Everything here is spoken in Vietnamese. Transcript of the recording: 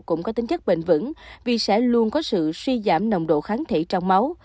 cũng có tính chất bền vững vì sẽ luôn có sự suy giảm nồng độ kháng thể trong máu